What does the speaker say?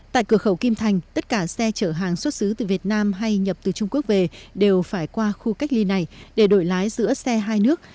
tại cửa khẩu kim thành tất cả xe chở hàng xuất xứ từ việt nam hay nhập từ trung quốc về đều phải qua khu cách ly này để đổi lái giữa xe hai nước